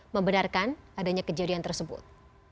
membenarkan adanya kejadian tersebut